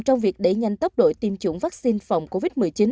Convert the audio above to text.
trong việc đẩy nhanh tốc độ tiêm chủng vaccine phòng covid một mươi chín